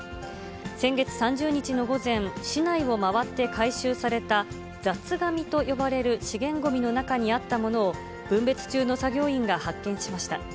先月３０日の午前、市内を回って回収された、雑紙と呼ばれる資源ごみの中にあったものを、分別中の作業員が発見しました。